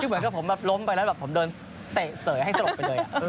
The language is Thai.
เหมือนกับผมล้มไปแล้วผมเดินแตะเสยให้สลบไปเลย